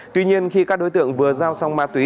tuy nhiên khi các đối tượng vừa giao xong ma túy